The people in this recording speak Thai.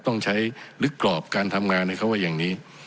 ต้องใช้ลึกกรอบการทำงานให้เขาว่าอย่างนี้